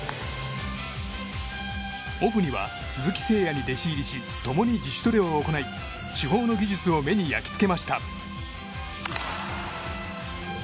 オフには鈴木誠也に弟子入りし共に自主トレを行い主砲の技術を目に焼き付けました。